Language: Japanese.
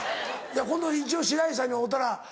今度一応白石さんに会うたら。